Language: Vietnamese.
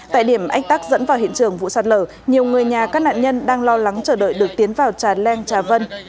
tại điểm ách tắc dẫn vào hiện trường vụ sạt lở nhiều người nhà các nạn nhân đang lo lắng chờ đợi được tiến vào trà leng trà vân